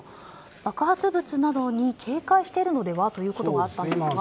爆発物などに警戒しているのではということがあったんですが。